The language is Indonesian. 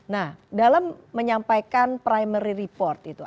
nah dalam menyampaikan primary report itu